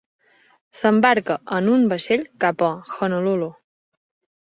S'embarca en un vaixell cap a Honolulu.